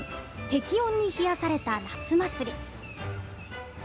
適温に冷やされた夏祭り。